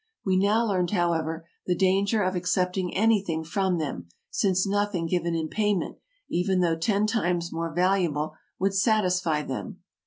We now learned, however, the danger of accepting anything from them, since nothing given in payment, even though ten times more valuable, would satisfy them.